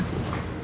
kamu mau tidur